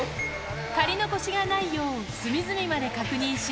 刈り残しがないよう、隅々まで確認し。